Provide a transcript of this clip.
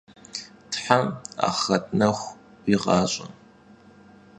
Them axhret nexu 'uiğaş'e!